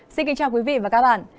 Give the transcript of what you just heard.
xin kính chào quý vị và các bạn